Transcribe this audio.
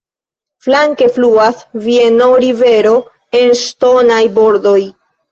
Flanke fluas Vieno-rivero en ŝtonaj bordoj.